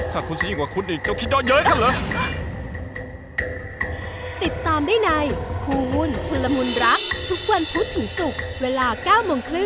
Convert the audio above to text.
ข้าคุ้นสิ่งกว่าคุณอีกเจ้าคิดด้วยเยอะข้าเหรอ